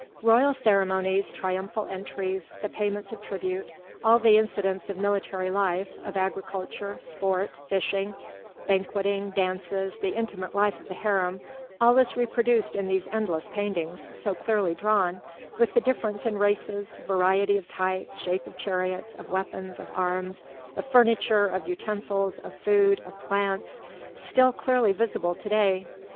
Royal ceremonies, triumphal entries, the payments of tribute, all the incidents of military life, of agriculture, sport, fishing, banqueting, dances, the intimate life of the harem, all is reproduced in these endless paintings, so clearly drawn, with the difference in races, variety of types, shape of chariots, of weapons, of arms, of furniture, of utensils, of food, of plants, still clearly visible to day.